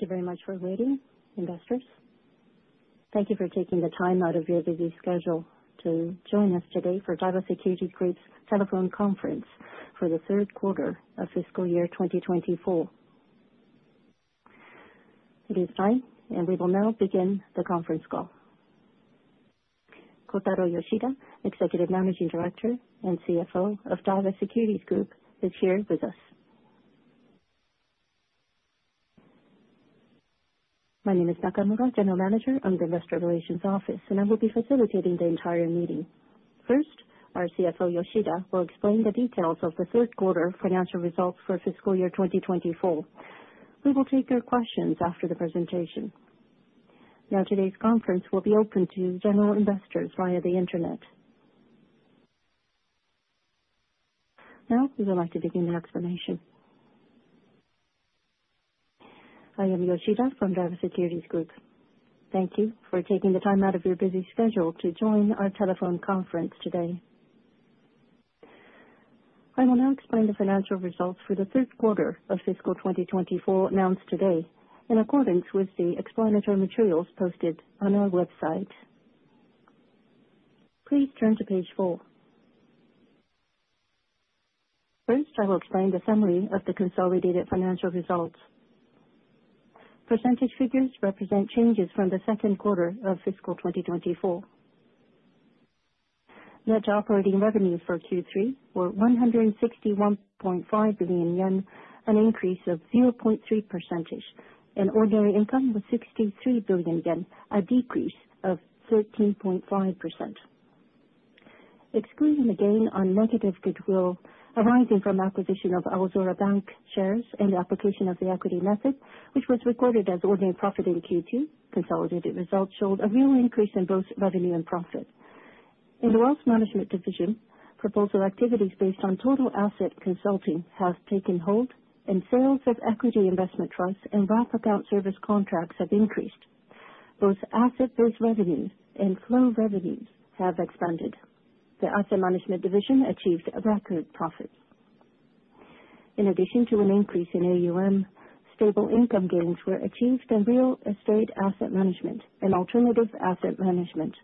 Thank you very much for waiting, investors. Thank you for taking the time out of your busy schedule to join us today for Daiwa Securities Group's Telephone Conference for the Third Quarter of Fiscal Year 2024. It is time, and we will now begin the conference call. Kotaro Yoshida, Executive Managing Director and CFO of Daiwa Securities Group, is here with us. My name is Nakamura, General Manager of the Investor Relations Office, and I will be facilitating the entire meeting. First, our CFO, Yoshida, will explain the details of the third quarter financial results for fiscal year 2024. We will take your questions after the presentation. Now, today's conference will be open to general investors via the internet. Now, we would like to begin the explanation. I am Yoshida from Daiwa Securities Group. Thank you for taking the time out of your busy schedule to join our telephone conference today. I will now explain the financial results for the third quarter of fiscal 2024 announced today in accordance with the explanatory materials posted on our website. Please turn to page four. First, I will explain the summary of the consolidated financial results. Percentage figures represent changes from the second quarter of fiscal 2024. Net operating revenues for Q3 were 161.5 billion yen, an increase of 0.3%, and ordinary income was 63 billion yen, a decrease of 13.5%. Excluding the gain on negative goodwill arising from acquisition of Aozora Bank shares and the application of the equity method, which was recorded as ordinary profit in Q2, consolidated results showed a real increase in both revenue and profit. In the Wealth Management Division, proposal activities based on total asset consulting have taken hold, and sales of equity investment trusts and wrap account service contracts have increased. Both asset-based revenues and flow revenues have expanded. The Asset Management Division achieved record profits. In addition to an increase in AUM, stable income gains were achieved in real estate asset management and alternative asset management.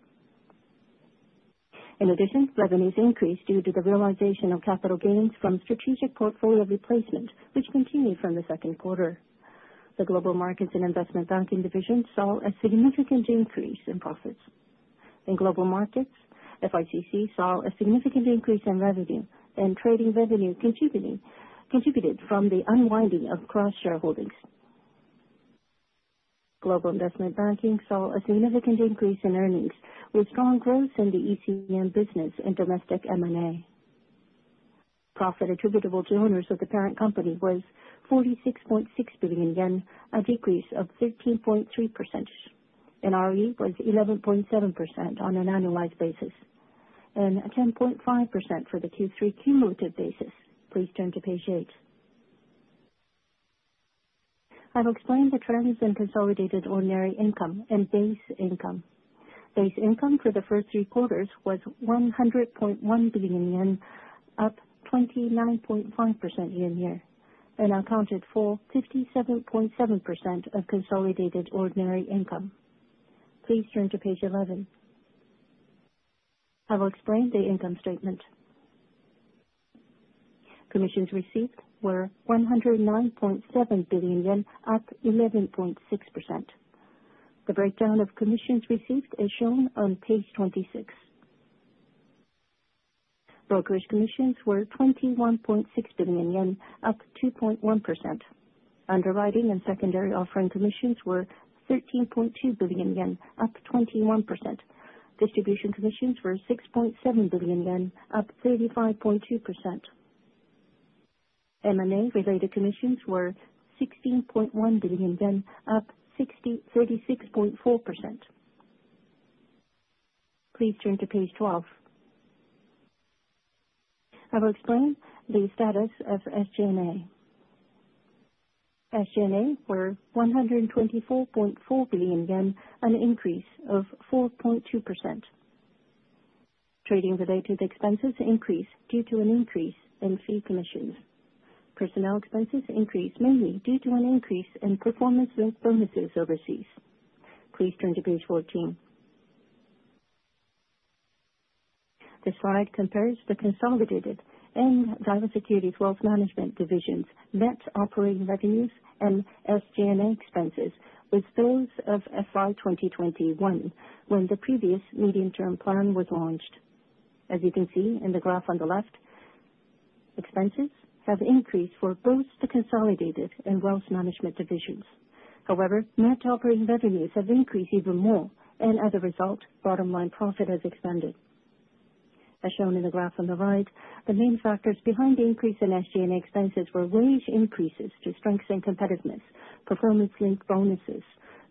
In addition, revenues increased due to the realization of capital gains from strategic portfolio replacement, which continued from the second quarter. The Global Markets and Investment Banking Division saw a significant increase in profits. In global markets, FICC saw a significant increase in revenue, and trading revenue contributed from the unwinding of cross-shareholdings. Global Investment Banking saw a significant increase in earnings, with strong growth in the ECM business and domestic M&A. Profit attributable to owners of the parent company was 46.6 billion yen, a decrease of 13.3%. ROE was 11.7% on an annualized basis and 10.5% for the Q3 cumulative basis. Please turn to page 8. I will explain the trends in consolidated ordinary income and base income. Base income for the first three quarters was 100.1 billion yen, up 29.5% year-on-year, and accounted for 57.7% of consolidated ordinary income. Please turn to page 11. I will explain the income statement. Commissions received were 109.7 billion yen, up 11.6%. The breakdown of commissions received is shown on page 26. Brokerage commissions were 21.6 billion yen, up 2.1%. Underwriting and secondary offering commissions were 13.2 billion yen, up 21%. Distribution commissions were 6.7 billion yen, up 35.2%. M&A-related commissions were 16.1 billion, up 36.4%. Please turn to page 12. I will explain the status of SG&A. SG&A were 124.4 billion yen, an increase of 4.2%. Trading-related expenses increased due to an increase in fee commissions. Personnel expenses increased mainly due to an increase in performance-linked bonuses overseas. Please turn to page 14. This slide compares the consolidated and Daiwa Securities Wealth Management Division's net operating revenues and SG&A expenses with those of FY 2021 when the previous medium-term plan was launched. As you can see in the graph on the left, expenses have increased for both the consolidated and Wealth Management Divisions. However, net operating revenues have increased even more, and as a result, bottom-line profit has expanded. As shown in the graph on the right, the main factors behind the increase in SG&A expenses were wage increases to strengthen competitiveness, performance-linked bonuses,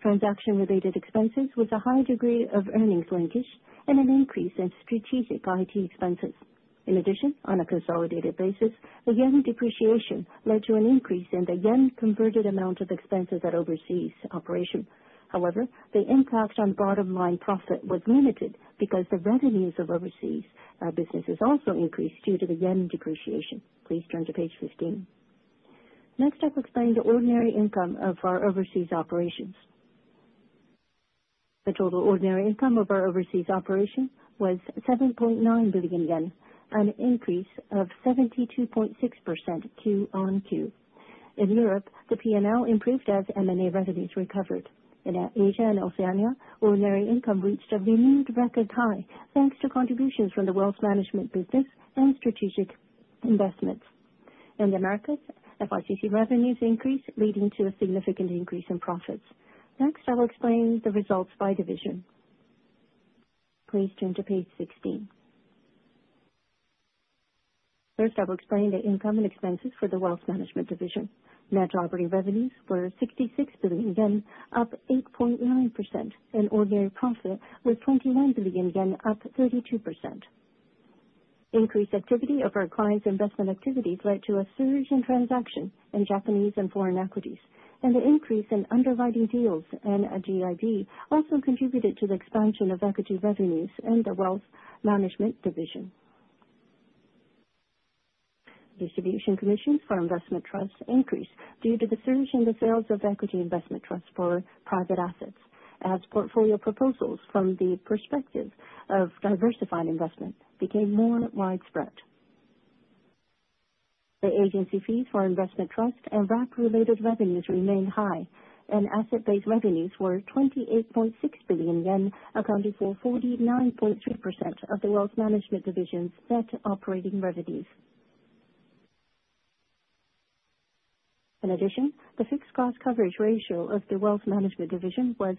transaction-related expenses with a high degree of earnings linkage, and an increase in strategic IT expenses. In addition, on a consolidated basis, the yen depreciation led to an increase in the yen-converted amount of expenses at overseas operation. However, the impact on bottom-line profit was limited because the revenues of overseas businesses also increased due to the yen depreciation. Please turn to page 15. Next, I will explain the ordinary income of our overseas operations. The total ordinary income of our overseas operation was 7.9 billion yen, an increase of 72.6% Q on Q. In Europe, the P&L improved as M&A revenues recovered. In Asia and Oceania, ordinary income reached a renewed record high thanks to contributions from the Wealth Management business and strategic investments. In the Americas, FICC revenues increased, leading to a significant increase in profits. Next, I will explain the results by division. Please turn to page 16. First, I will explain the income and expenses for the Wealth Management Division. Net operating revenues were 66 billion yen, up 8.9%, and ordinary profit was 21 billion yen, up 32%. Increased activity of our clients' investment activities led to a surge in transactions in Japanese and foreign equities, and the increase in underwriting deals and GIB also contributed to the expansion of equity revenues in the Wealth Management Division. Distribution commissions for investment trusts increased due to the surge in the sales of equity investment trusts for private assets as portfolio proposals from the perspective of diversified investment became more widespread. The agency fees for investment trusts and RAP-related revenues remained high, and asset-based revenues were 28.6 billion yen, accounting for 49.3% of the Wealth Management Division's net operating revenues. In addition, the fixed cost coverage ratio of the Wealth Management Division was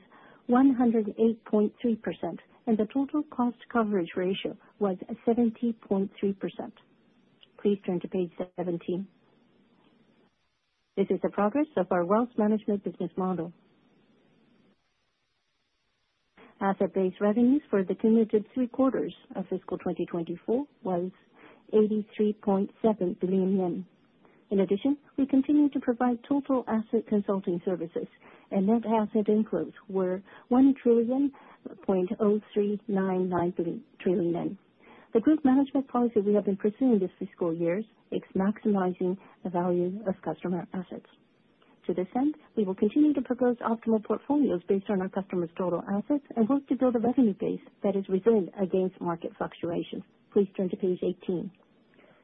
108.3%, and the total cost coverage ratio was 70.3%. Please turn to page 17. This is the progress of our Wealth Management Business Model. Asset-based revenues for the cumulative three quarters of fiscal 2024 was 83.7 billion yen. In addition, we continue to provide total asset consulting services, and net asset inflows were JPY 1 trillion 0.0399 trillion. The group management policy we have been pursuing this fiscal year seeks maximizing the value of customer assets. To this end, we will continue to propose optimal portfolios based on our customers' total assets and work to build a revenue base that is resilient against market fluctuations. Please turn to page 18.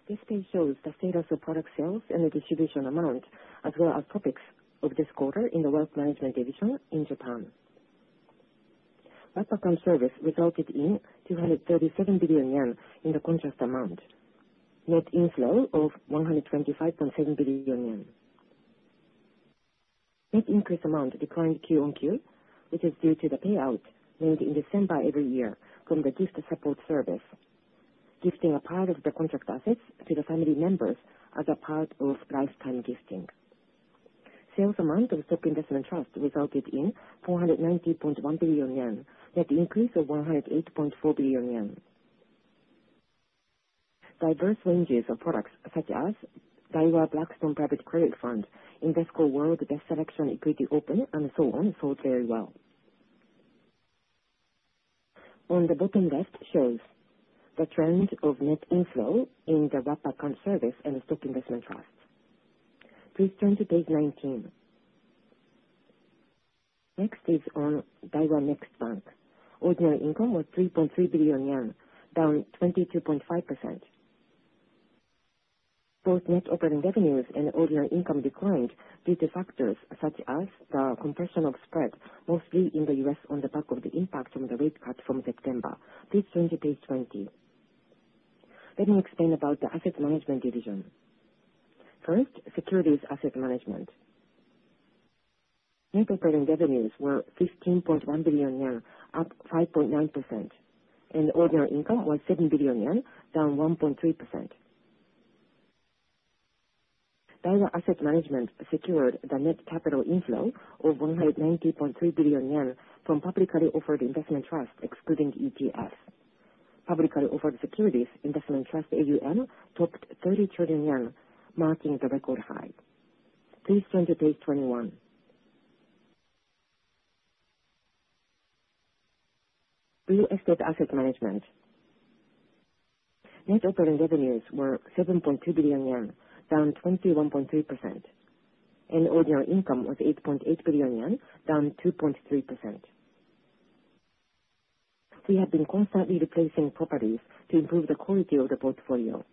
This page shows the status of product sales and the distribution amount, as well as topics of this quarter in the Wealth Management Division in Japan. Wrap account service resulted in 237 billion yen in the contract amount, net inflow of 125.7 billion yen. Net increase amount declined Q on Q, which is due to the payout made in December every year from the gift support service, gifting a part of the contract assets to the family members as a part of lifetime gifting. Sales amount of top investment trusts resulted in 490.1 billion yen, net increase of 108.4 billion yen. Diverse ranges of products such as Daiwa Blackstone Private Credit Fund, Invesco World Best Selection Equity Open, and so on, sold very well. On the bottom left shows the trend of net inflow in the RAP account service and the stock investment trusts. Please turn to page 19. Next is on Daiwa Next Bank. Ordinary income was 3.3 billion yen, down 22.5%. Both net operating revenues and ordinary income declined due to factors such as the compression of spread, mostly in the U.S. on the back of the impact from the rate cut from September. Please turn to page 20. Let me explain about the Asset Management Division. First, securities asset management. Net operating revenues were 15.1 billion yen, up 5.9%, and ordinary income was 7 billion yen, down 1.3%. Daiwa Asset Management secured the net capital inflow of 190.3 billion yen from publicly offered investment trusts, excluding ETFs. Publicly offered securities investment trust AUM topped 30 trillion yen, marking the record high. Please turn to page 21. Real estate asset management. Net operating revenues were 7.2 billion yen, down 21.3%, and ordinary income was 8.8 billion yen, down 2.3%. We have been constantly replacing properties to improve the quality of the portfolio.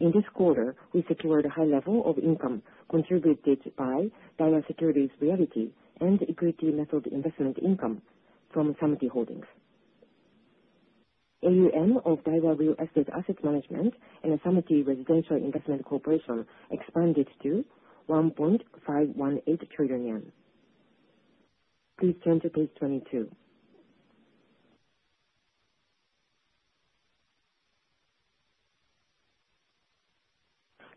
In this quarter, we secured a high level of income contributed by Daiwa Securities Realty and equity method investment income from Samty Holdings. AUM of Daiwa Real Estate Asset Management and the Samty Residential Investment Corporation expanded to 1.518 trillion yen. Please turn to page 22.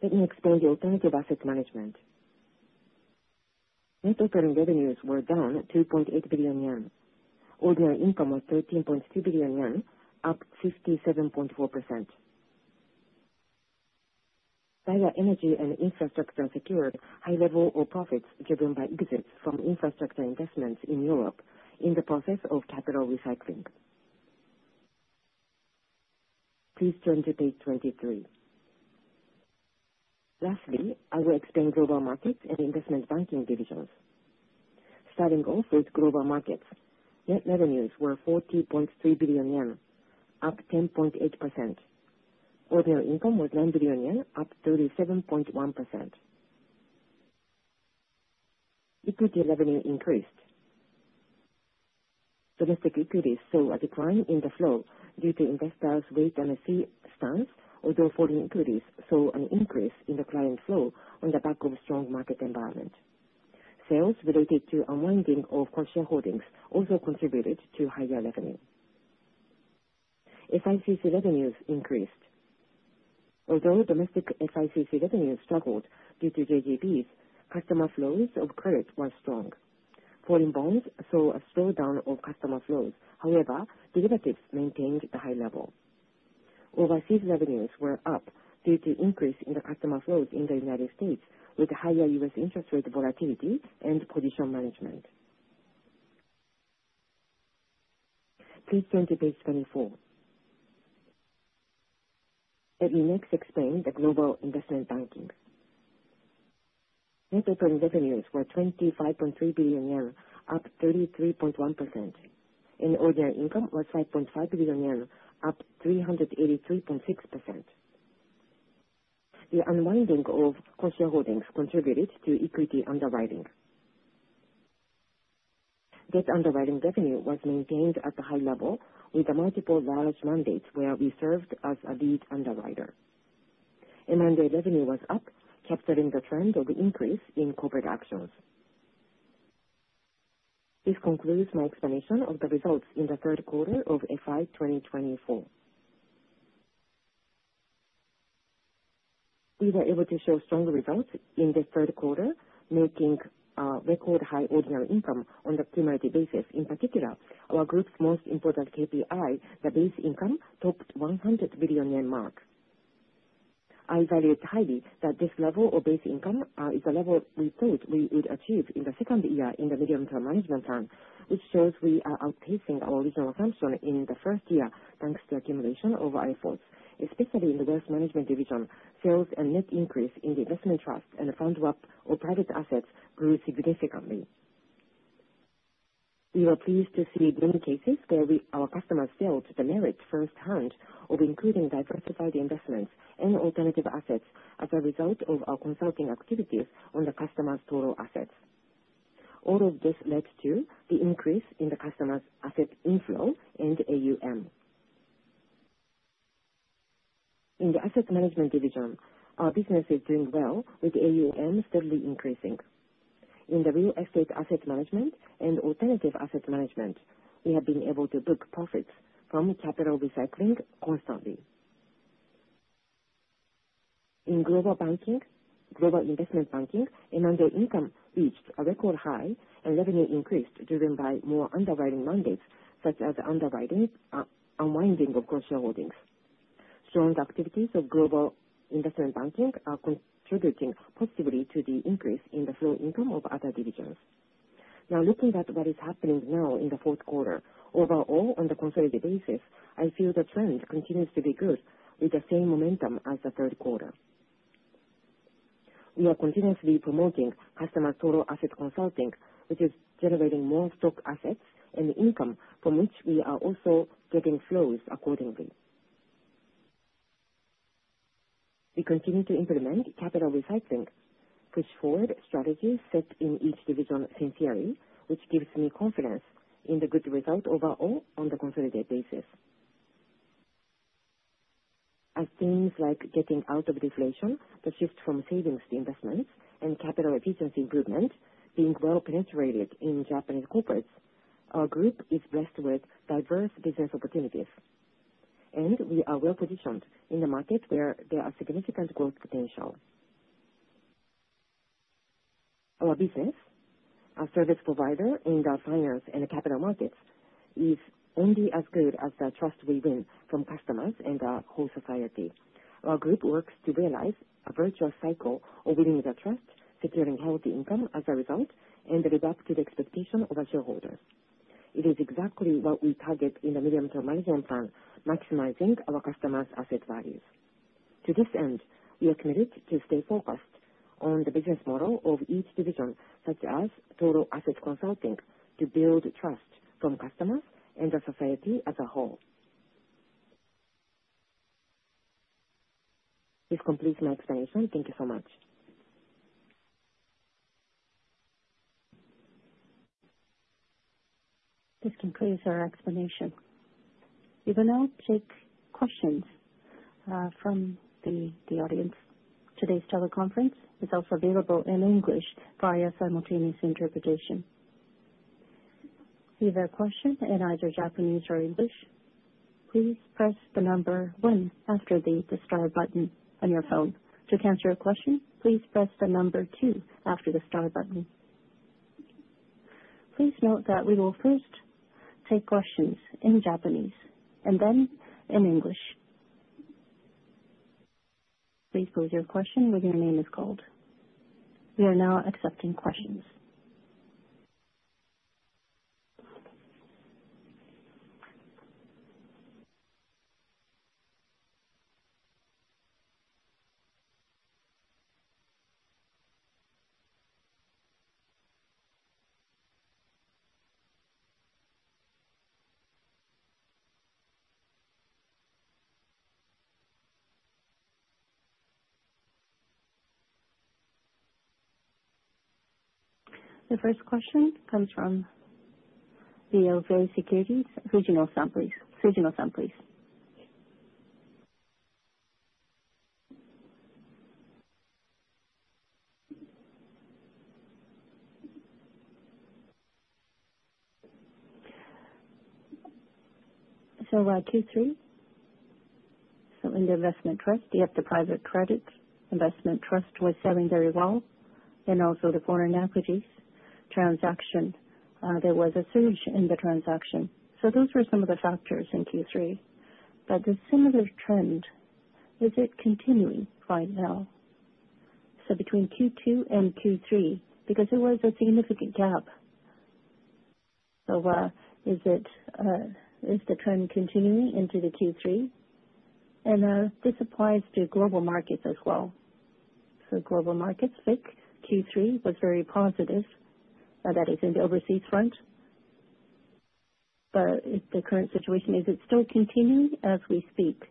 Let me explain the alternative asset management. Net operating revenues were down 2.8 billion yen. Ordinary income was 13.2 billion yen, up 57.4%. Daiwa Energy & Infrastructure secured high-level profits driven by exits from infrastructure investments in Europe in the process of capital recycling. Please turn to page 23. Lastly, I will explain global markets and investment banking divisions. Starting off with global markets, net revenues were 40.3 billion yen, up 10.8%. Ordinary income was 9 billion yen, up 37.1%. Equity revenue increased. Domestic equities saw a decline in the flow due to investors' wait-and-see stance, although foreign equities saw an increase in the client flow on the back of a strong market environment. Sales related to unwinding of cross-shareholdings also contributed to higher revenue. FICC revenues increased. Although domestic FICC revenues struggled due to JGBs, customer flows of credit were strong. Foreign bonds saw a slowdown of customer flows. However, derivatives maintained the high level. Overseas revenues were up due to an increase in the customer flows in the United States, with higher US interest rate volatility and position management. Please turn to page 24. Let me next explain the global investment banking. Net operating revenues were 25.3 billion yen, up 33.1%. Ordinary income was 5.5 billion yen, up 383.6%. The unwinding of cross-shareholdings contributed to equity underwriting. Debt underwriting revenue was maintained at a high level, with multiple large mandates where we served as a lead underwriter. M&A revenue was up, capturing the trend of increase in corporate actions. This concludes my explanation of the results in the third quarter of FY 2024. We were able to show strong results in the third quarter, making a record high ordinary income on a cumulative basis. In particular, our group's most important KPI, the base income, topped 100 billion yen mark. I valued highly that this level of base income is the level we thought we would achieve in the second year in the medium-term management plan, which shows we are outpacing our original assumption in the first year thanks to accumulation of our efforts, especially in the Wealth Management Division. Sales and net increase in the investment trusts and the fund wrap or private assets grew significantly. We were pleased to see many cases where our customers felt the merit firsthand of including diversified investments and alternative assets as a result of our consulting activities on the customer's total assets. All of this led to the increase in the customer's asset inflow and AUM. In the Asset Management Division, our business is doing well with AUM steadily increasing. In the Real Estate Asset Management and Alternative Asset Management, we have been able to book profits from capital recycling constantly. In global banking, global investment banking, M&A income reached a record high, and revenue increased driven by more underwriting mandates such as the underwriting unwinding of cross-shareholdings. Strong activities of global investment banking are contributing positively to the increase in the flow income of other divisions. Now, looking at what is happening now in the fourth quarter, overall on the consolidated basis, I feel the trend continues to be good with the same momentum as the third quarter. We are continuously promoting customer total asset consulting, which is generating more stock assets and income from which we are also getting flows accordingly. We continue to implement capital recycling, push forward strategies set in each division sincerely, which gives me confidence in the good result overall on the consolidated basis. As things like getting out of deflation, the shift from savings to investments, and capital efficiency improvement being well penetrated in Japanese corporates, our group is blessed with diverse business opportunities, and we are well positioned in the market where there is significant growth potential. Our business, our service provider in the finance and capital markets, is only as good as the trust we win from customers and our whole society. Our group works to realize a virtuous cycle of winning the trust, securing healthy income as a result, and adapting to the expectation of our shareholders. It is exactly what we target in the medium-term management plan, maximizing our customers' asset values. To this end, we are committed to stay focused on the business model of each division, such as total asset consulting, to build trust from customers and the society as a whole. This completes my explanation. Thank you so much. This concludes our explanation. We will now take questions from the audience. Today's teleconference is also available in English via simultaneous interpretation. If you have a question in either Japanese or English, please press the number one after the star button on your phone. To answer your question, please press the number two after the star button. Please note that we will first take questions in Japanese and then in English. Please pose your question when your name is called. We are now accepting questions. The first question comes from Daiwa Securities Regional Assemblies. So Q3, so in the investment trust, the private credit investment trust was selling very well, and also the foreign equities transaction, there was a surge in the transaction. So those were some of the factors in Q3. But the similar trend, is it continuing right now? So between Q2 and Q3, because there was a significant gap, so is the trend continuing into Q3? And this applies to global markets as well. Global markets think Q3 was very positive, that is, in the overseas front. But the current situation, is it still continuing as we speak?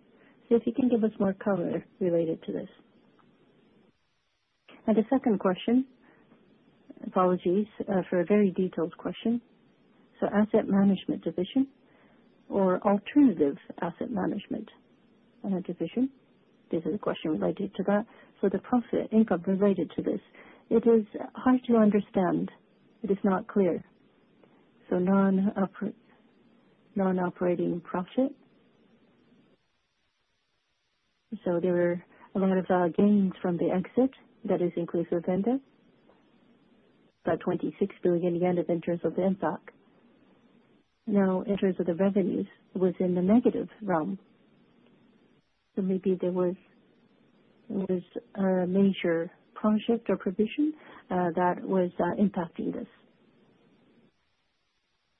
See if you can give us more color related to this. And the second question, apologies for a very detailed question. So asset management division or alternative asset management division, this is a question related to that. So the profit income related to this, it is hard to understand. It is not clear. So non-operating profit. So there were a lot of gains from the exit, that is, inclusive vendor, about 26 billion yen in terms of the impact. Now, in terms of the revenues, it was in the negative realm. So maybe there was a major project or provision that was impacting this.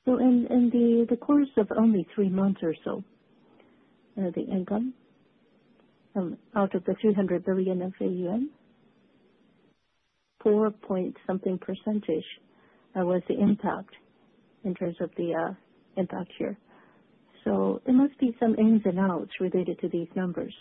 So, in the course of only three months or so, the income out of the 300 billion of AUM, 4 point something % was the impact in terms of the impact here. So there must be some ins and outs related to these numbers.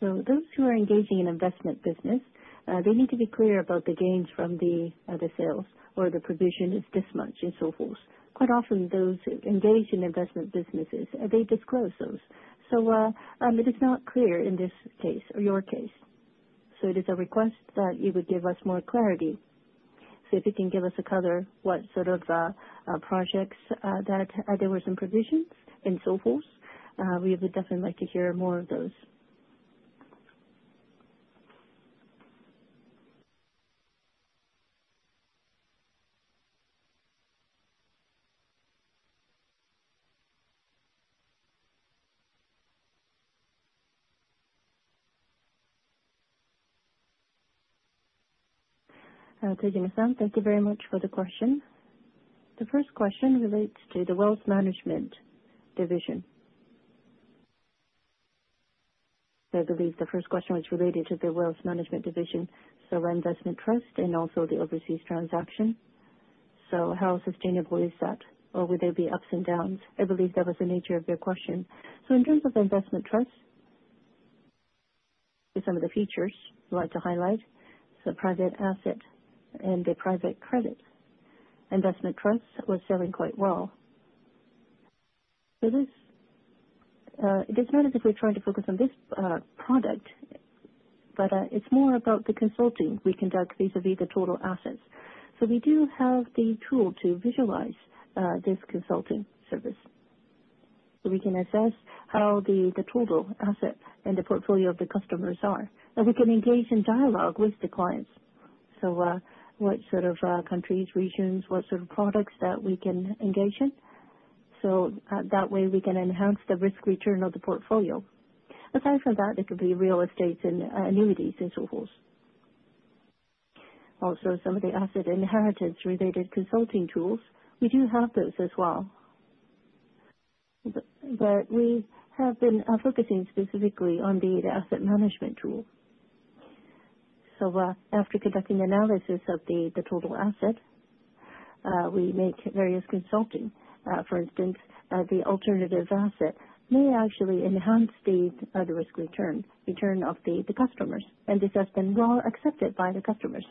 So those who are engaging in investment business, they need to be clear about the gains from the sales or the provision is this much and so forth. Quite often, those who engage in investment businesses, they disclose those. So it is not clear in this case or your case. So it is a request that you would give us more clarity. See if you can give us a color what sort of projects that there were some provisions and so forth. We would definitely like to hear more of those. Thank you very much for the question. The first question relates to the wealth management division. I believe the first question was related to the wealth management division, so investment trust and also the overseas transaction. So how sustainable is that? Or would there be ups and downs? I believe that was the nature of your question. So in terms of investment trusts, some of the features I'd like to highlight, so private asset and the private credit investment trust was selling quite well. So it is not as if we're trying to focus on this product, but it's more about the consulting we conduct vis-à-vis the total assets. So we do have the tool to visualize this consulting service. So we can assess how the total asset and the portfolio of the customers are, and we can engage in dialogue with the clients. So, what sort of countries, regions, what sort of products that we can engage in. So that way, we can enhance the risk return of the portfolio. Aside from that, it could be real estate and annuities and so forth. Also, some of the asset inheritance-related consulting tools, we do have those as well. But we have been focusing specifically on the asset management tool. So after conducting analysis of the total asset, we make various consulting. For instance, the alternative asset may actually enhance the risk return, return of the customers, and this has been well accepted by the customers.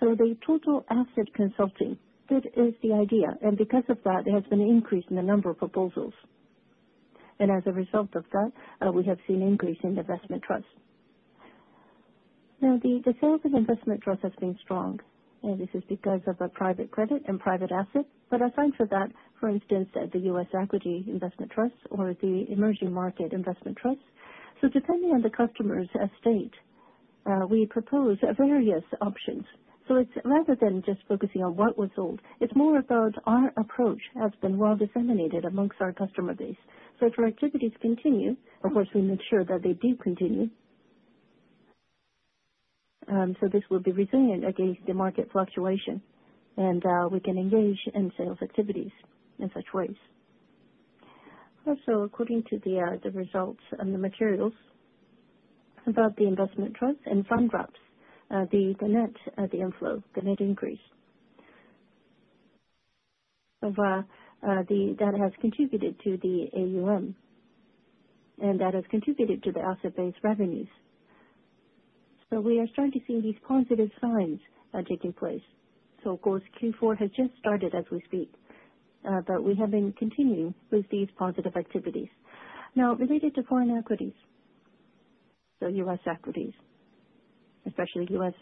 So the total asset consulting, that is the idea. And because of that, there has been an increase in the number of proposals. And as a result of that, we have seen an increase in investment trust. Now, the sales of investment trust has been strong. This is because of private credit and private assets. But aside from that, for instance, the US equity investment trust or the emerging market investment trust. So depending on the customer's state, we propose various options. So it's rather than just focusing on what was sold, it's more about our approach has been well disseminated amongst our customer base. So if our activities continue, of course, we make sure that they do continue. So this will be resilient against the market fluctuation, and we can engage in sales activities in such ways. Also, according to the results and the materials about the investment trust and fund wraps, the net, the inflow, the net increase. So that has contributed to the AUM, and that has contributed to the asset-based revenues. So we are starting to see these positive signs taking place. Of course, Q4 has just started as we speak, but we have been continuing with these positive activities. Now, related to foreign equities, so U.S. equities, especially U.S.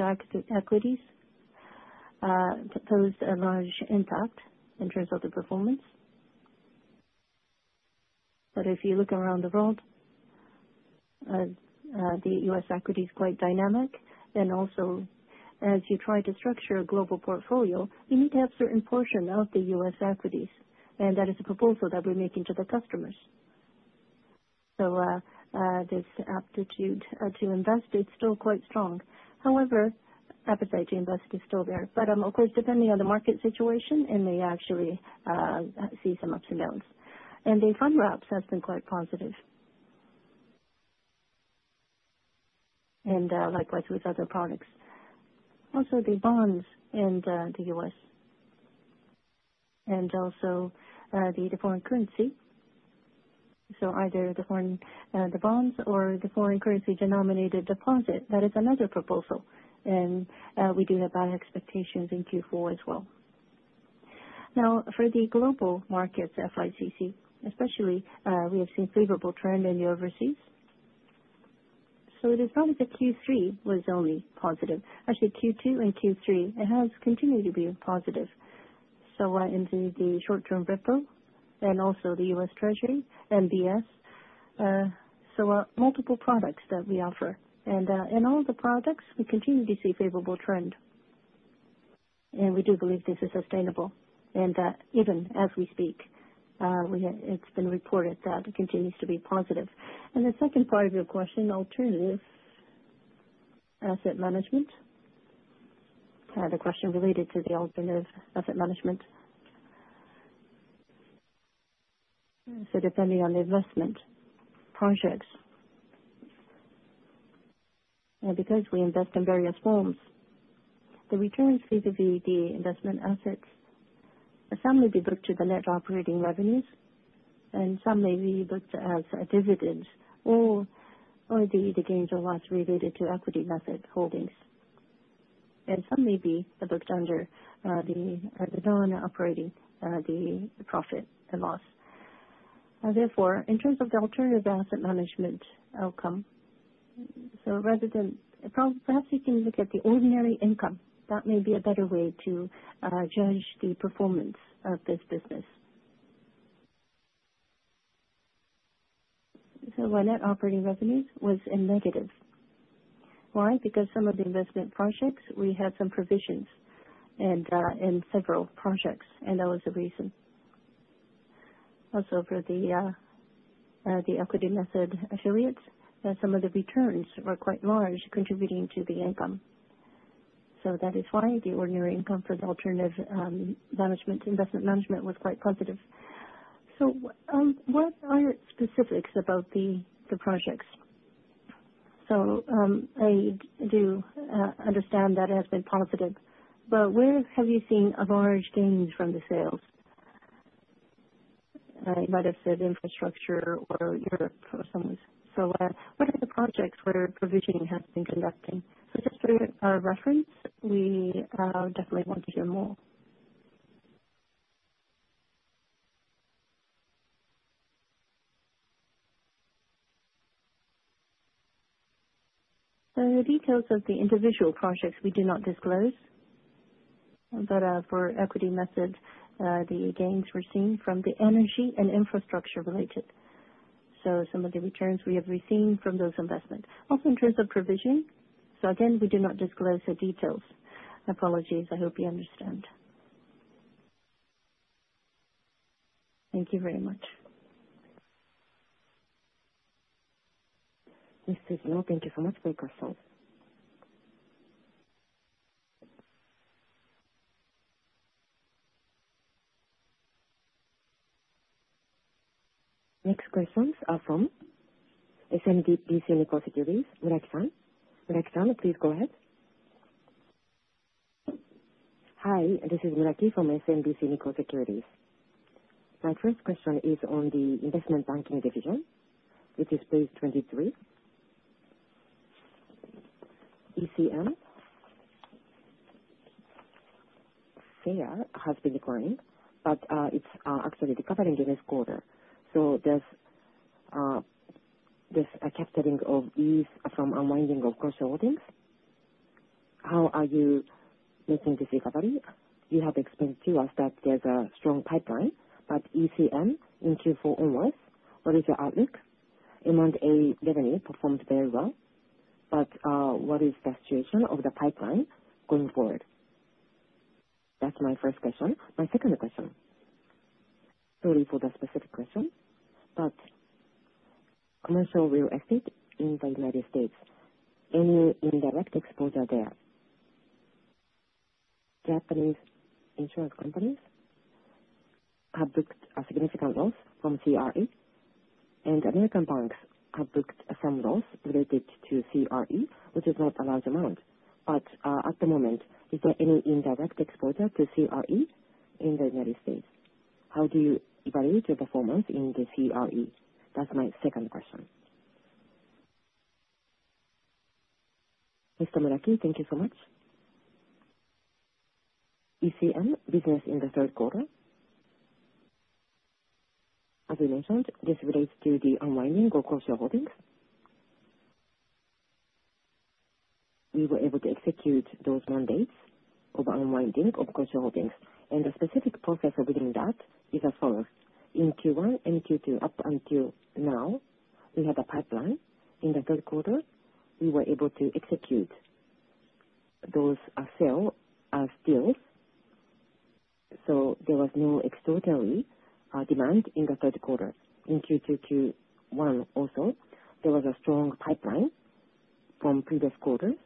equities, posed a large impact in terms of the performance. But if you look around the world, the U.S. equity is quite dynamic. And also, as you try to structure a global portfolio, you need to have a certain portion of the U.S. equities, and that is a proposal that we're making to the customers. So this appetite to invest is still quite strong. However, appetite to invest is still there. But of course, depending on the market situation, it may actually see some ups and downs. And the fund wraps have been quite positive. And likewise with other products. Also, the bonds in the U.S. and also the foreign currency. So either the bonds or the foreign currency denominated deposit, that is another proposal. And we do have high expectations in Q4 as well. Now, for the global markets, FICC, especially, we have seen a favorable trend in the overseas. So it is not as if Q3 was only positive. Actually, Q2 and Q3, it has continued to be positive. So into the short-term repo and also the U.S. Treasury, MBS. So multiple products that we offer. And in all the products, we continue to see a favorable trend. And we do believe this is sustainable. And even as we speak, it's been reported that it continues to be positive. And the second part of your question, alternative asset management, the question related to the alternative asset management. So depending on the investment projects. And because we invest in various forms, the returns vis-à-vis the investment assets, some may be booked to the Net Operating Revenues, and some may be booked as dividends or the gains or loss related to equity asset holdings. And some may be booked under the non-operating, the profit and loss. Therefore, in terms of the alternative asset management outcome, so rather than perhaps you can look at the Ordinary Income. That may be a better way to judge the performance of this business. So our Net Operating Revenues was in negative. Why? Because some of the investment projects, we had some provisions in several projects, and that was the reason. Also, for the equity asset affiliates, some of the returns were quite large, contributing to the income. So that is why the Ordinary Income for the alternative investment management was quite positive. So what are specifics about the projects? So I do understand that it has been positive, but where have you seen large gains from the sales? I might have said infrastructure or Europe or something. So what are the projects where provisioning has been conducting? So just for our reference, we definitely want to hear more. The details of the individual projects we do not disclose. But for equity assets, the gains were seen from the energy and infrastructure related. So some of the returns we have received from those investments. Also in terms of provision, so again, we do not disclose the details. Apologies, I hope you understand. Thank you very much. Ms. Fujino, thank you so much for your questions. Next questions are from SMBC Nikko Securities, Muraki-san. Muraki-san, please go ahead. Hi, this is Muraki from SMBC Nikko Securities. My first question is on the investment banking division, which is page 23. ECM has been declined, but it's actually recovering in this quarter. So there's a capturing of ease from unwinding of cross-shareholdings. How are you making this recovery? You have explained to us that there's a strong pipeline, but ECM in Q4 onwards, what is your outlook? M&A revenue performed very well, but what is the situation of the pipeline going forward? That's my first question. My second question, sorry for the specific question, but commercial real estate in the United States, any indirect exposure there? Japanese insurance companies have booked a significant loss from CRE, and American banks have booked some loss related to CRE, which is not a large amount. But at the moment, is there any indirect exposure to CRE in the United States? How do you evaluate your performance in the CRE? That's my second question. Mr. Muraki, thank you so much. ECM business in the third quarter? As we mentioned, this relates to the unwinding of cross-shareholdings. We were able to execute those mandates of unwinding of cross-shareholdings. And the specific process within that is as follows. In Q1 and Q2 up until now, we had a pipeline. In the third quarter, we were able to execute those sale deals. So there was no extraordinary demand in the third quarter. In Q2, Q1 also, there was a strong pipeline from previous quarters,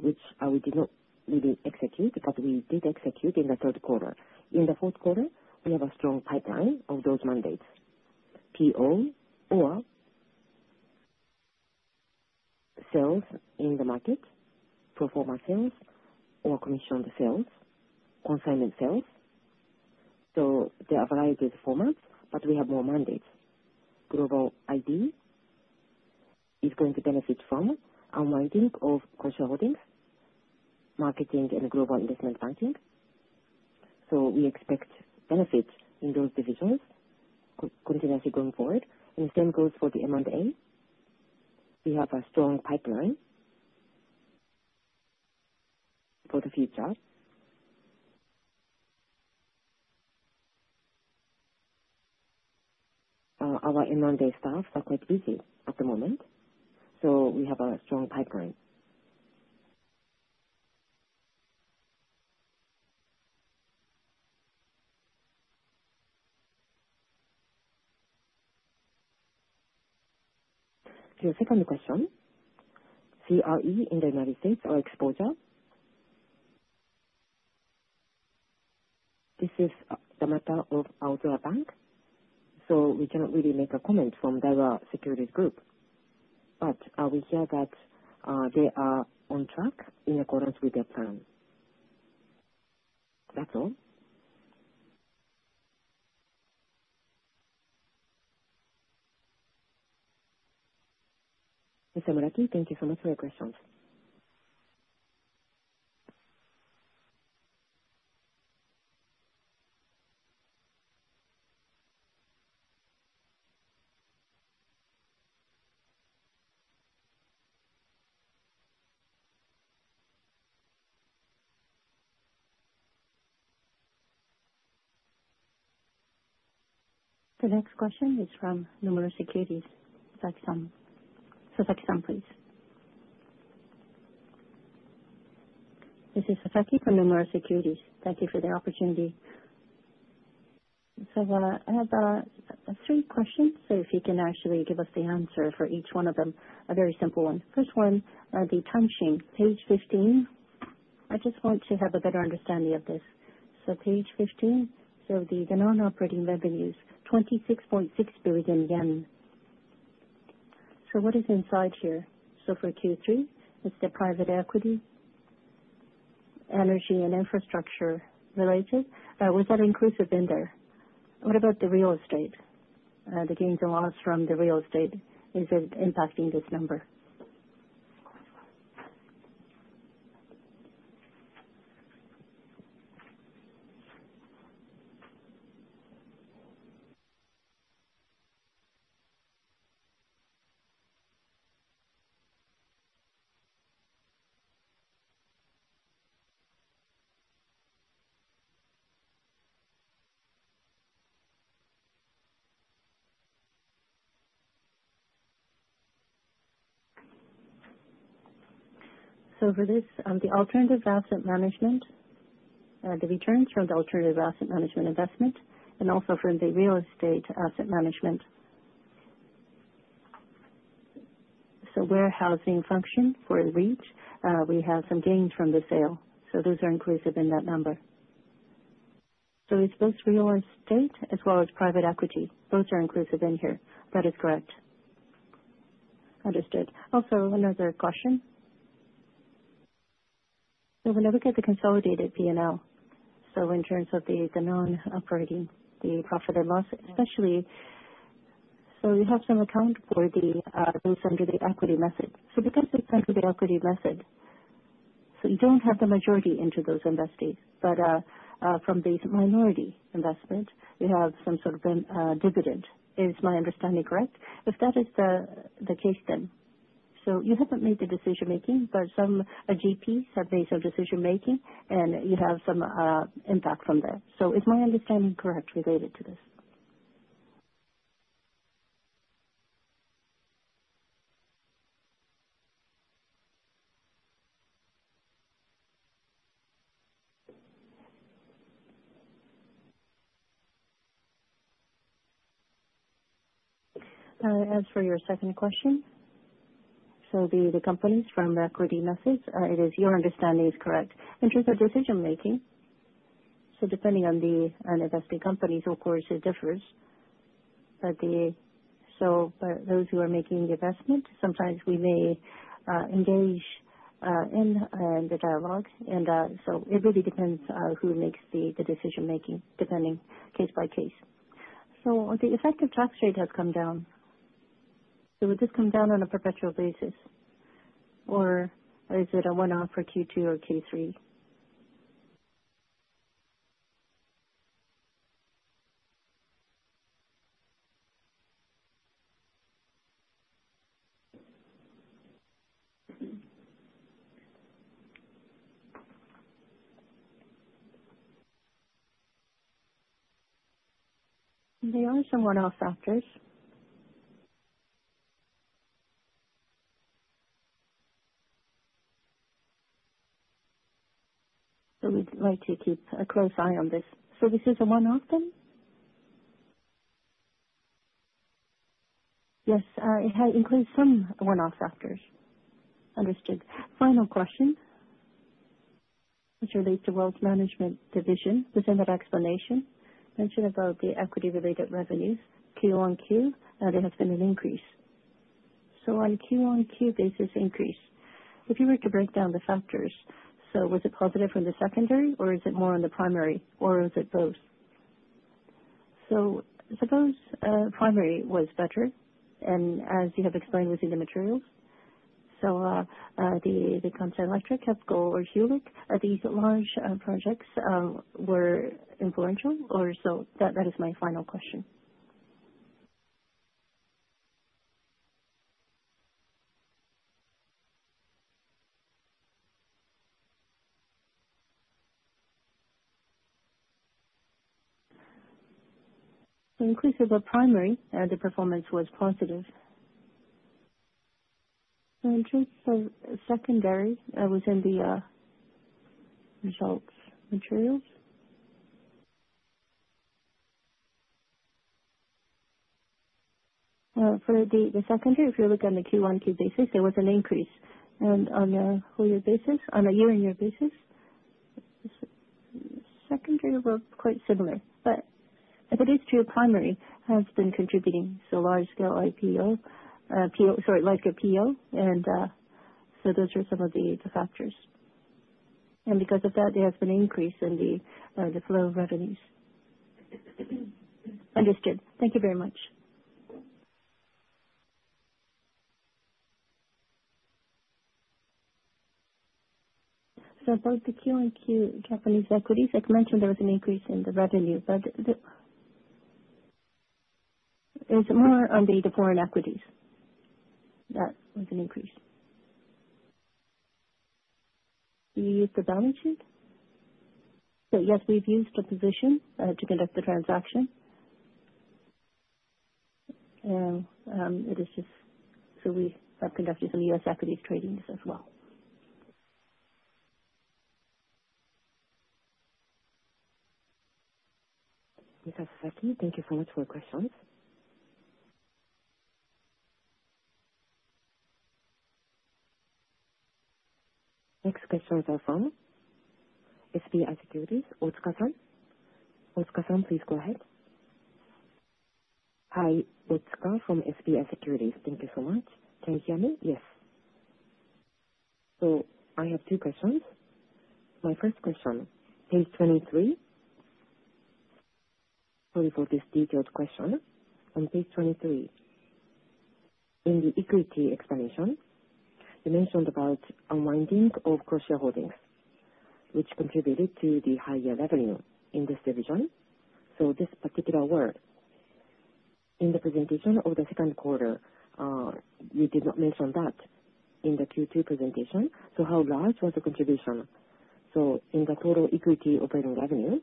which we did not really execute, but we did execute in the third quarter. In the fourth quarter, we have a strong pipeline of those mandates: PO or sales in the market, proforma sales or commissioned sales, consignment sales. So there are varieties of formats, but we have more mandates. GIB is going to benefit from unwinding of cross-shareholdings, marketing, and global investment banking. We expect benefits in those divisions continuously going forward. The same goes for the M&A. We have a strong pipeline for the future. Our M&A staff are quite busy at the moment, so we have a strong pipeline. To your second question, CRE in the United States or exposure? This is the matter of Aozora Bank, so we cannot really make a comment from Daiwa Securities Group. But we hear that they are on track in accordance with their plan. That's all. Mr. Muraki, thank you so much for your questions. The next question is from Nomura Securities. So, Sasaki-san, please. This is Sasaki from Nomura Securities. Thank you for the opportunity. So I have three questions, so if you can actually give us the answer for each one of them, a very simple one. First one, the slide, page 15. I just want to have a better understanding of this. So, page 15, so the non-operating revenues, 26.6 billion yen. So, what is inside here? So, for Q3, it's the private equity, energy, and infrastructure related. Was that inclusive in there? What about the real estate? The gains and loss from the real estate, is it impacting this number? So for this, the alternative asset management, the returns from the alternative asset management investment, and also from the real estate asset management. So warehousing function for REITs, we have some gains from the sale. So those are inclusive in that number. So it's both real estate as well as private equity. Those are inclusive in here. That is correct. Understood. Also, another question. So we never get the consolidated P&L. So in terms of the non-operating, the profit and loss, especially. So you have some account for those under the equity asset. So because it's under the equity asset, so you don't have the majority into those investees. But from the minority investment, you have some sort of dividend. Is my understanding correct? If that is the case, then. So you haven't made the decision-making, but some GPs have made some decision-making, and you have some impact from that. So is my understanding correct related to this? As for your second question, so the companies from equity assets, your understanding is correct. In terms of decision-making, so depending on the investing companies, of course, it differs. But those who are making the investment, sometimes we may engage in the dialogue. And so it really depends who makes the decision-making, depending case by case. So the effective tax rate has come down. So will this come down on a perpetual basis, or is it a one-off for Q2 or Q3? They are somewhat off factors. So we'd like to keep a close eye on this. So this is a one-off, then? Yes, it includes some one-off factors. Understood. Final question, which relates to wealth management division. Within that explanation, mention about the equity-related revenues, Q1Q, there has been an increase. So on Q1Q, there's this increase. If you were to break down the factors, so was it positive from the secondary, or is it more on the primary, or is it both? So suppose primary was better, and as you have explained within the materials, so the Kansai Electric, Hepco, or Hulic, these large projects were influential, or so that is my final question. Inclusive of primary, the performance was positive. In terms of secondary, within the results materials. For the secondary, if you look on the Q1Q basis, there was an increase, and on a year-on-year basis, secondary was quite similar, but if it is true, primary has been contributing, so large-scale IPO, sorry, like a PO, and so those are some of the factors, and because of that, there has been an increase in the flow of revenues. Understood. Thank you very much. So both the Q1Q Japanese equities, like I mentioned, there was an increase in the revenue, but it's more on the foreign equities. That was an increase. Do you use the balance sheet? So yes, we've used the position to conduct the transaction, and it is just so we have conducted some US equities tradings as well. Ms. Sasaki, thank you so much for your questions. Next question is our final. SBI Securities, Otsuka-san. Otsuka-san, please go ahead. Hi, Otsuka from SBI Securities. Thank you so much. Can you hear me? Yes. So I have two questions. My first question, page 23, sorry for this detailed question. On page 23, in the equity explanation, you mentioned about unwinding of cross-shareholdings, which contributed to the higher revenue in this division. So this particular word, in the presentation of the second quarter, you did not mention that in the Q2 presentation. So how large was the contribution? So in the total equity operating revenue,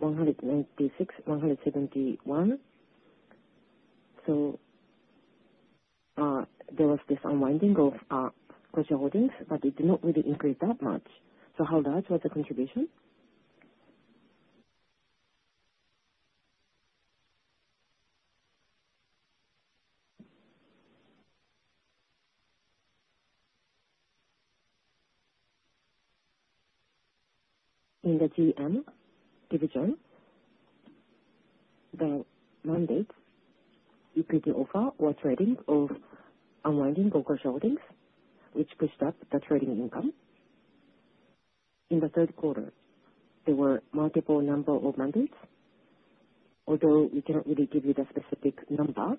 ¥196.171 billion. So there was this unwinding of cross-shareholdings, but it did not really increase that much. So how large was the contribution? In the GIB division, the mandates, equity offer or trading of unwinding shareholdings, which pushed up the trading income. In the third quarter, there were multiple number of mandates, although we cannot really give you the specific number.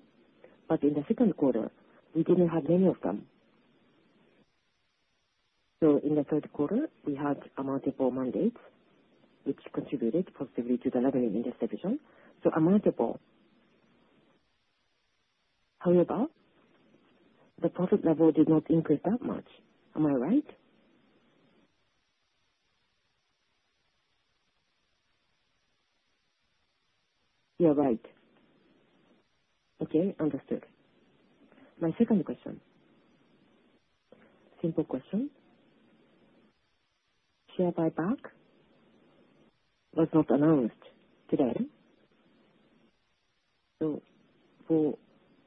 But in the second quarter, we didn't have many of them. So in the third quarter, we had multiple mandates, which contributed positively to the revenue in this division. So a multiple. However, the profit level did not increase that much. Am I right? You're right. Okay, understood. My second question, simple question. Share buyback was not announced today. So for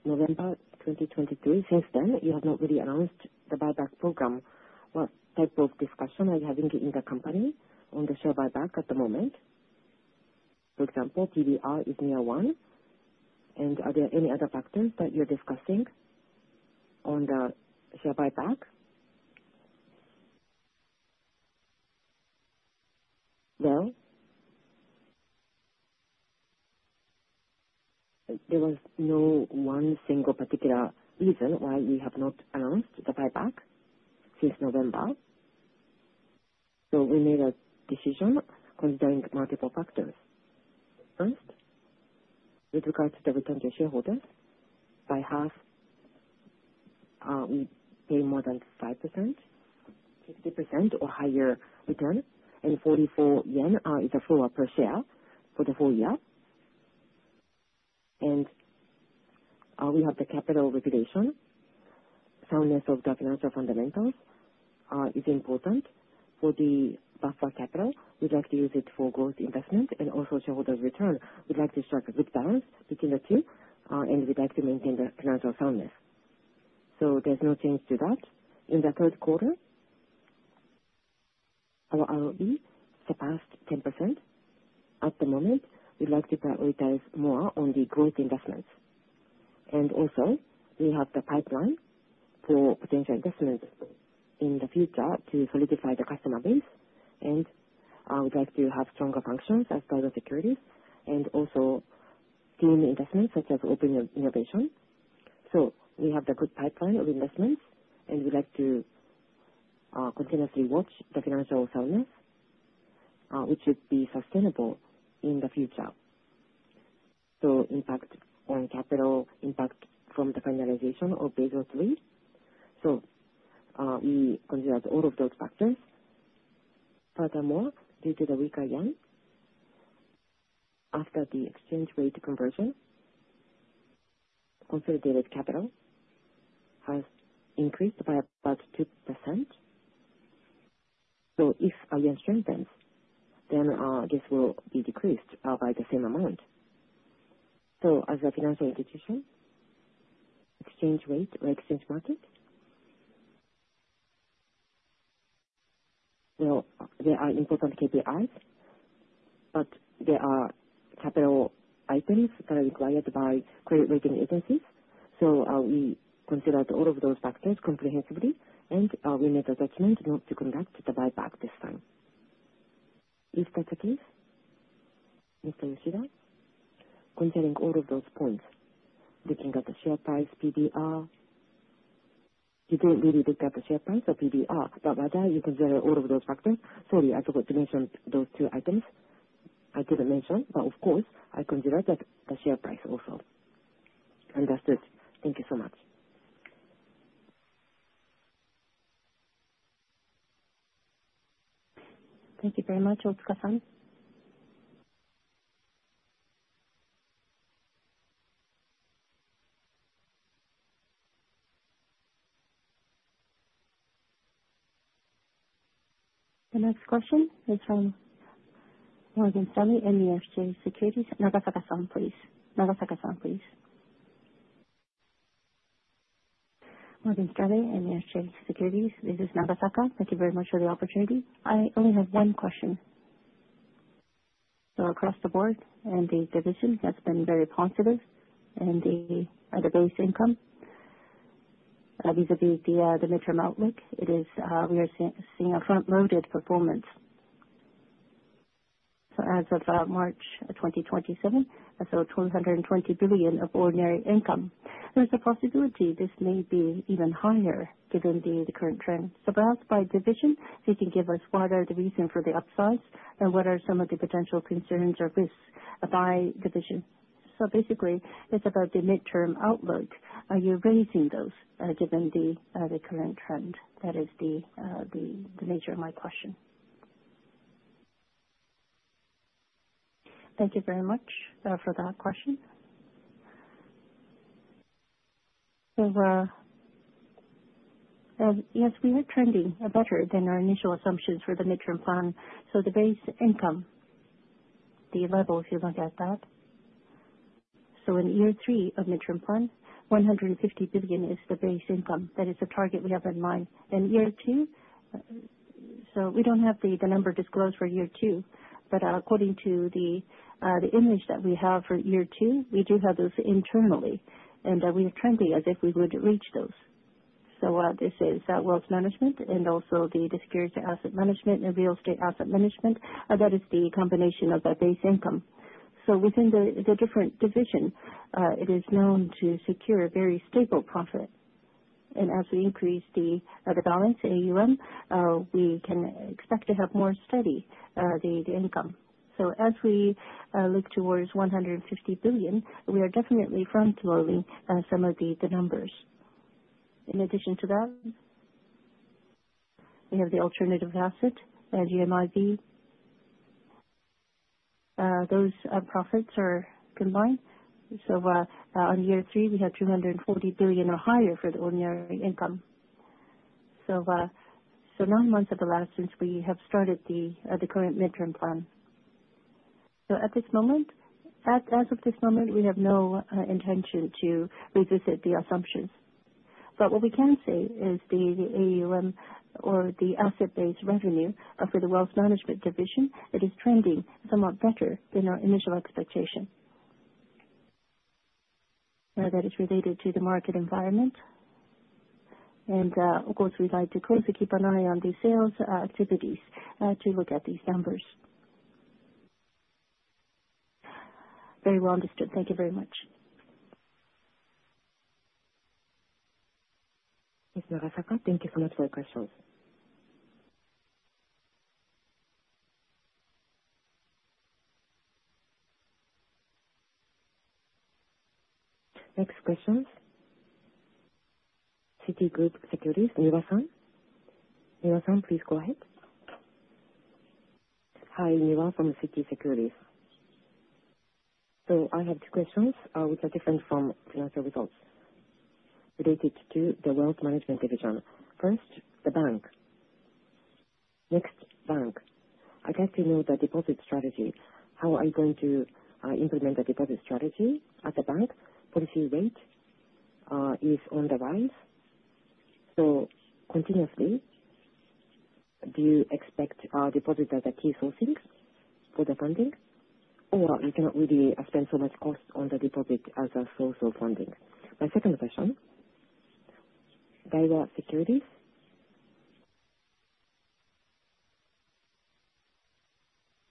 November 2023, since then, you have not really announced the buyback program. What type of discussion are you having in the company on the share buyback at the moment? For example, PBR is near one. And are there any other factors that you're discussing on the share buyback? Well. There was no one single particular reason why we have not announced the buyback since November. So we made a decision considering multiple factors. Announced with regards to the return to shareholders. By half, we pay more than 5%, 50%, or higher return, and 44 yen is a floor per share for the whole year, and we have the capital regulation. Soundness of the financial fundamentals is important for the buffer capital. We'd like to use it for growth investment and also shareholder return. We'd like to strike a good balance between the two, and we'd like to maintain the financial soundness, so there's no change to that. In the third quarter, our ROE surpassed 10%. At the moment, we'd like to prioritize more on the growth investments, and also we have the pipeline for potential investment in the future to solidify the customer base, and we'd like to have stronger functions as Daiwa Securities and also team investments such as open innovation. So we have the good pipeline of investments, and we'd like to continuously watch the financial soundness, which should be sustainable in the future. Impact on capital, impact from the finalization of phase three. We considered all of those factors. Furthermore, due to the weaker yen after the exchange rate conversion, consolidated capital has increased by about 2%. If the yen strengthens, then this will be decreased by the same amount. As a financial institution, exchange rate or exchange market. Well, there are important KPIs, but there are capital items that are required by credit rating agencies. We considered all of those factors comprehensively, and we made the judgment not to conduct the buyback this time. If that's the case, Mr. Yoshida, considering all of those points, looking at the share price, PBR, you didn't really look at the share price or PBR, but rather you considered all of those factors. Sorry, I forgot to mention those two items. I didn't mention, but of course, I considered the share price also. Understood. Thank you so much. Thank you very much, Otsuka-san. The next question is from Morgan Stanley MUFG Securities. Nagasaka-san, please. This is Nagasaka. Thank you very much for the opportunity. I only have one question. Across the board and the division has been very positive in the base income vis-à-vis the midterm outlook. We are seeing a front-loaded performance. As of March 2027, that's 220 billion of ordinary income. There's a possibility this may be even higher given the current trend. So perhaps by division, you can give us what are the reasons for the upsides and what are some of the potential concerns or risks by division. So basically, it's about the midterm outlook. Are you raising those given the current trend? That is the nature of my question. Thank you very much for that question. Yes, we are trending better than our initial assumptions for the midterm plan. So the Base Income, the level, if you look at that. So in year three of midterm plan, 150 billion is the Base Income. That is the target we have in mind. And year two, so we don't have the number disclosed for year two, but according to the image that we have for year two, we do have those internally, and we are trending as if we would reach those. So this is wealth management and also the securities asset management and real estate asset management. That is the combination of the base income. So within the different division, it is known to secure very stable profit. And as we increase the balance, AUM, we can expect to have more steady income. So as we look towards 150 billion, we are definitely front-loading some of the numbers. In addition to that, we have the alternative asset, GMIV. Those profits are combined. So on year three, we had 240 billion or higher for the ordinary income. So nine months have elapsed since we have started the current midterm plan. So at this moment, as of this moment, we have no intention to revisit the assumptions. But what we can say is the AUM or the asset-based revenue for the wealth management division, it is trending somewhat better than our initial expectation. That is related to the market environment, and of course, we'd like to closely keep an eye on the sales activities to look at these numbers. Very well understood. Thank you very much. Ms. Nagasaka, thank you so much for your questions. Next question. Citigroup Securities, Niwa-san. Niwa-san, please go ahead. Hi, Niwa from Citigroup Securities, so I have two questions which are different from financial results related to the wealth management division. First, the bank. Next, bank. I'd like to know the deposit strategy. How are you going to implement the deposit strategy at the bank? Policy rate is on the rise. So continuously, do you expect deposit as a key sourcing for the funding? Or you cannot really spend so much cost on the deposit as a source of funding? My second question. Daiwa Securities.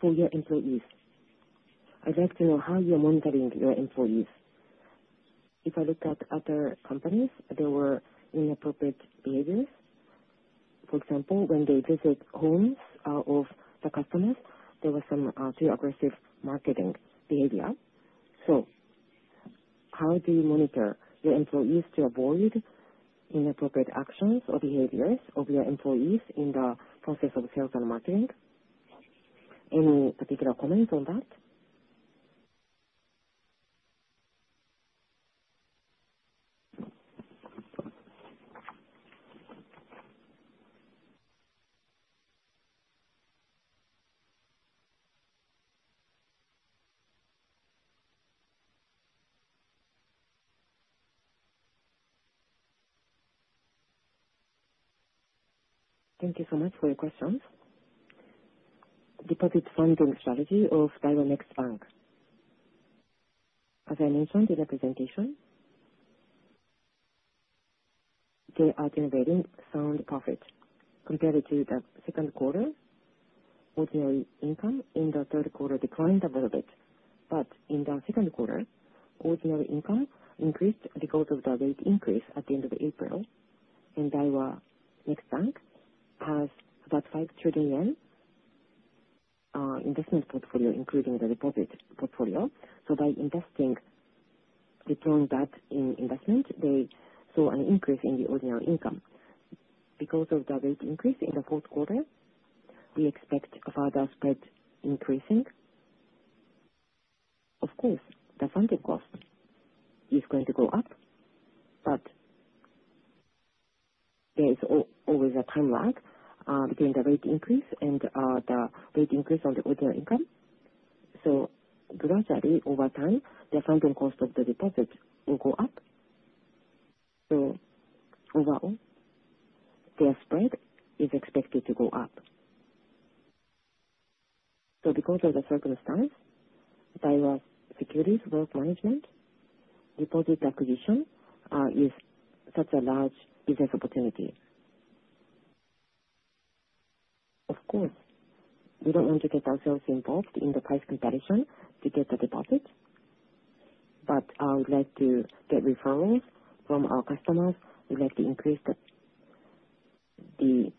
For your employees, I'd like to know how you're monitoring your employees. If I look at other companies, there were inappropriate behaviors. For example, when they visit homes of the customers, there was some too aggressive marketing behavior. So how do you monitor your employees to avoid inappropriate actions or behaviors of your employees in the process of sales and marketing? Any particular comments on that? Thank you so much for your questions. Deposit funding strategy of Daiwa Next Bank. As I mentioned in the presentation, they are generating sound profit compared to the second quarter. Ordinary income in the third quarter declined a little bit. But in the second quarter, ordinary income increased because of the rate increase at the end of April. And Daiwa Next Bank has about 5 trillion yen investment portfolio, including the deposit portfolio. So by investing, they turned that into investment. They saw an increase in the ordinary income. Because of the rate increase in the fourth quarter, we expect further spread increasing. Of course, the funding cost is going to go up, but there is always a time lag between the rate increase and the rate increase on the ordinary income. So gradually, over time, the funding cost of the deposit will go up. So overall, their spread is expected to go up. So because of the circumstance, Daiwa Securities' wealth management deposit acquisition is such a large business opportunity. Of course, we don't want to get ourselves involved in the price competition to get the deposit, but we'd like to get referrals from our customers. We'd like to increase the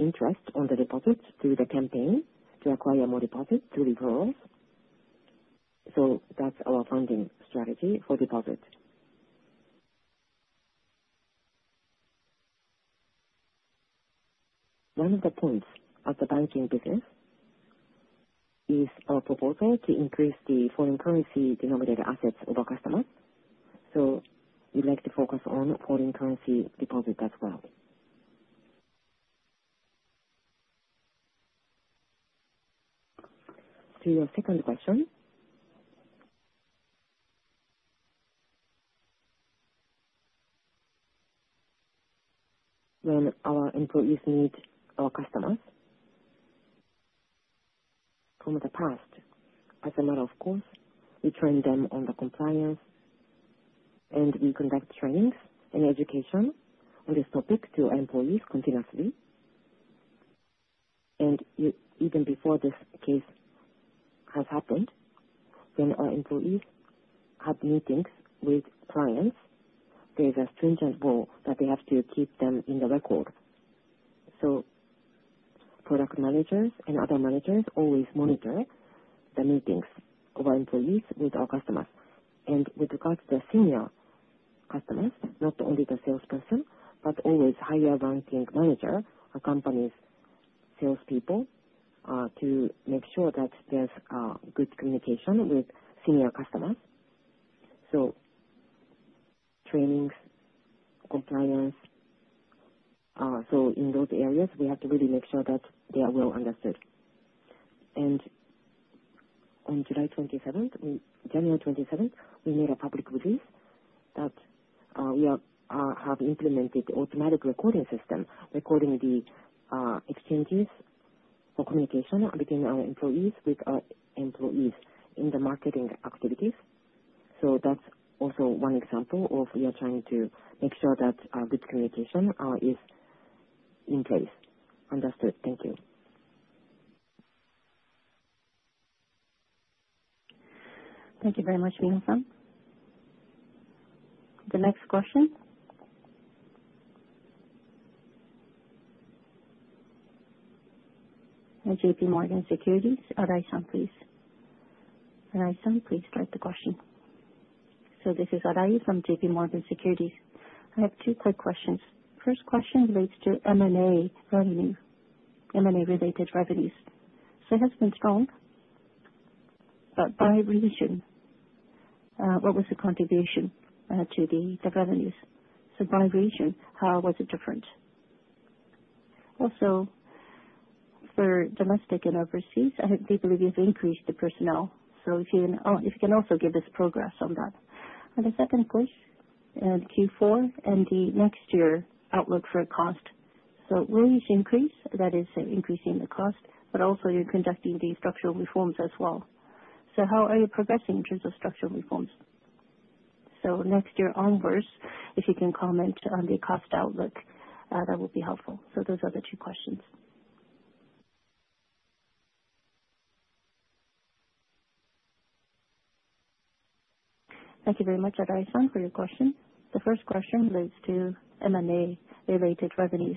interest on the deposits through the campaign to acquire more deposits through referrals. So that's our funding strategy for deposits. One of the points of the banking business is our proposal to increase the foreign currency denominated assets of our customers, so we'd like to focus on foreign currency deposits as well. To your second question: When our employees meet our customers from the past, as a matter of course, we train them on the compliance, and we conduct trainings and education on this topic to our employees continuously, and even before this case has happened, when our employees have meetings with clients, there's a stringent rule that they have to keep them in the record, so product managers and other managers always monitor the meetings of our employees with our customers, and with regards to the senior customers, not only the salesperson, but always higher-ranking managers or companies' salespeople to make sure that there's good communication with senior customers, so trainings, compliance. So in those areas, we have to really make sure that they are well understood. And on July 27th, January 27th, we made a public release that we have implemented the automatic recording system, recording the exchanges for communication between our employees with our employees in the marketing activities. So that's also one example of we are trying to make sure that good communication is in place. Understood. Thank you. Thank you very much, Niwa-san. The next question. J.P. Morgan Securities. Arai-san, please. Arai-san, please write the question. So this is Arai from J.P. Morgan Securities. I have two quick questions. First question relates to M&A revenue, M&A-related revenues. So it has been strong, but by region, what was the contribution to the revenues? So by region, how was it different? Also, for domestic and overseas, I do believe you've increased the personnel. So if you can also give us progress on that. And the second question, Q4 and the next year outlook for cost. So range increase, that is increasing the cost, but also you're conducting the structural reforms as well. So how are you progressing in terms of structural reforms? So next year onwards, if you can comment on the cost outlook, that would be helpful. So those are the two questions. Thank you very much, Arai-san, for your question. The first question relates to M&A-related revenues.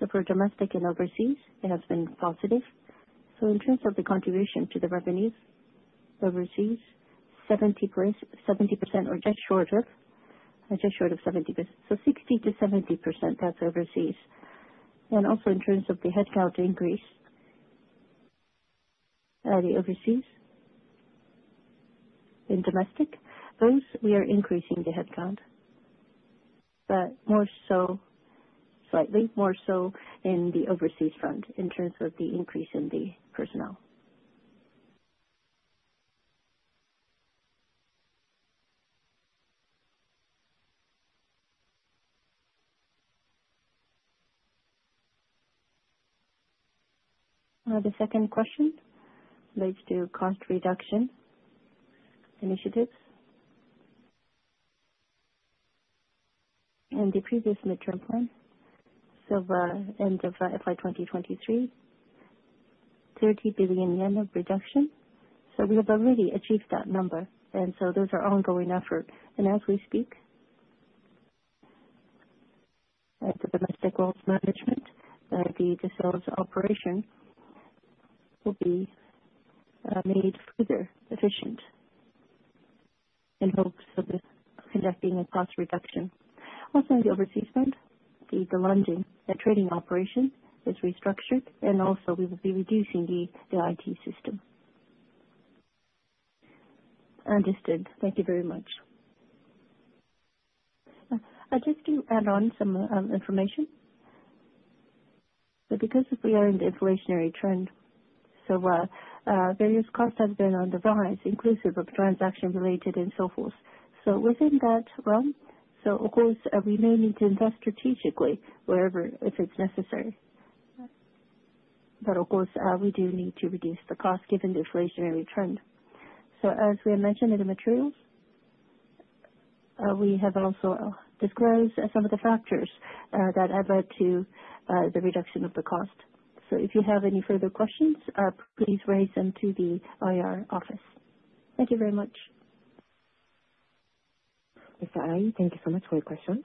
So for domestic and overseas, it has been positive. So in terms of the contribution to the revenues overseas, 70% or just short of 70%. So 60%-70%, that's overseas. And also in terms of the headcount increase at the overseas and domestic, those we are increasing the headcount, but slightly more so in the overseas front in terms of the increase in the personnel. The second question relates to cost reduction initiatives. In the previous midterm plan, so end of FY 2023, 30 billion yen of reduction. So we have already achieved that number. And so those are ongoing efforts. And as we speak, the domestic wealth management, the sales operation will be made further efficient in hopes of conducting a cost reduction. Also in the overseas front, the lending and trading operation is restructured, and also we will be reducing the IT system. Understood. Thank you very much. I'd just to add on some information. But because we are in the inflationary trend, so various costs have been on the rise, inclusive of transaction-related and so forth. Within that realm, of course, we may need to invest strategically wherever if it's necessary. But of course, we do need to reduce the cost given the inflationary trend. As we have mentioned in the materials, we have also disclosed some of the factors that add up to the reduction of the cost. If you have any further questions, please raise them to the IR office. Thank you very much. Ms. Arai, thank you so much for your questions.